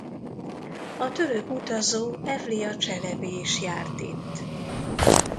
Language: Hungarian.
A török utazó Evlia Cselebi is járt itt.